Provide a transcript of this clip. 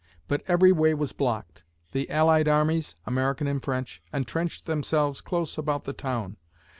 But every way was blocked. The allied armies (American and French) entrenched themselves close about the town.